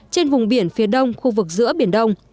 trên vùng biển phía đông khu vực giữa biển đông